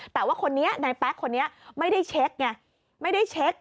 แต่ว่าในแป๊กคนนี้ไม่ได้เช็คไม่ได้เช็ค